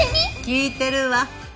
聞いてるわ。